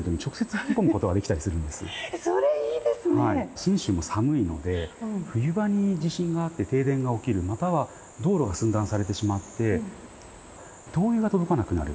信州も寒いので冬場に地震があって停電が起きるまたは道路が寸断されてしまって灯油が届かなくなる。